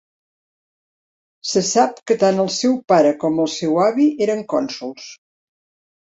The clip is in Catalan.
Se sap que tant el seu pare com el seu avi eren cònsols.